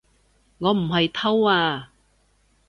我唔係偷啊